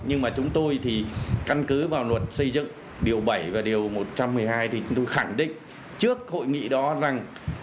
nhưng mà chúng tôi thì căn cứ vào luật xây dựng điều bảy và điều một trăm một mươi hai thì chúng tôi khẳng định trước hội nghị đó rằng